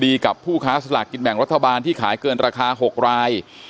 กับผู้ค้าสลากกินแบ่งรัฐบาลที่ขายเกินราคา๖ราย